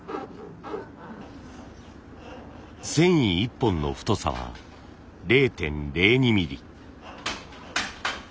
繊維１本の太さは０．０２ミリ。